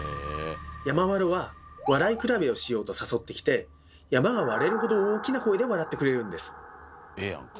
山童は「笑い比べをしよう」と誘ってきて山が割れるほど大きな声で笑ってくれるんです。